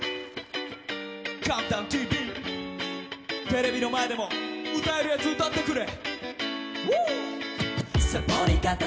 「ＣＤＴＶ」テレビの前でも、歌えるやつ歌ってくれ。